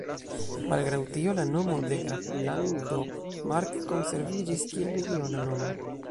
Malgraŭ tio la nomo de Graflando Mark konserviĝis kiel regiona nomo.